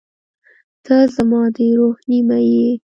• ته زما د روح نیمه یې.